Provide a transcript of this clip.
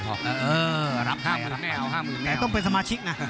แต่ต้องเป็นสมาชิกนะ